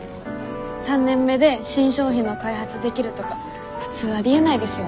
３年目で新商品の開発できるとか普通ありえないですよね。